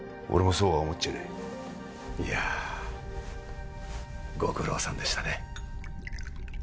俺もそうは思っちゃいないいやご苦労さんでしたね